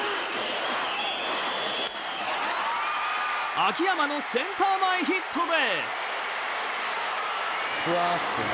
秋山のセンター前ヒットで。